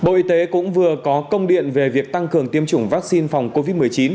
bộ y tế cũng vừa có công điện về việc tăng cường tiêm chủng vaccine phòng covid một mươi chín